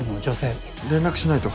連絡しないと。